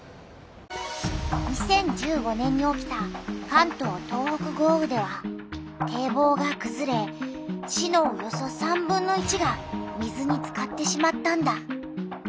２０１５年に起きた関東・東北豪雨では堤防がくずれ市のおよそ３分の１が水につかってしまったんだ。